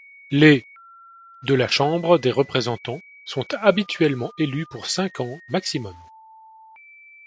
Les de la Chambre des représentants sont habituellement élus pour cinq ans maximum.